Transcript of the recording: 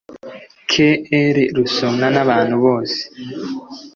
Kr rusomwa n abantu bose